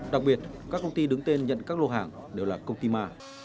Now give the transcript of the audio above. đặc biệt các công ty đứng tên nhận các lô hàng đều là công ty ma